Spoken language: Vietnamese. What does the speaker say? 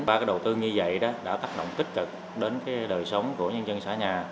ba cái đầu tư như vậy đã tác động tích cực đến đời sống của nhân dân xã nhà